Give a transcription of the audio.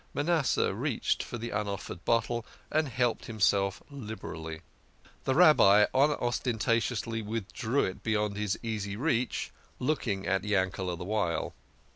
Manasseh reached for the unoffered bottle, and helped himself liberally. The Rabbi unostentatiously withdrew it beyond his easy reach, looking at Yankele' the while.